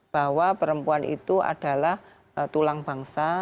bahwa perempuan itu adalah tulang bangsa